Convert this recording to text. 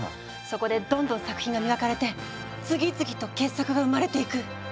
そこでどんどん作品が磨かれて次々と傑作が生まれていく。